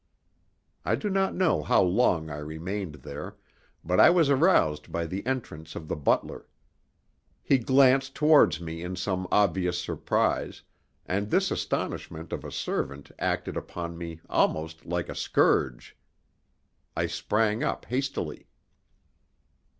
I do not know how long I remained there, but I was aroused by the entrance of the butler. He glanced towards me in some obvious surprise, and this astonishment of a servant acted upon me almost like a scourge. I sprang up hastily.